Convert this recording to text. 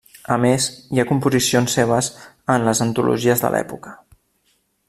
A més hi ha composicions seves en les antologies de l’època.